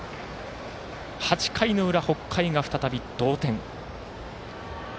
８回の裏、北海が再び同点。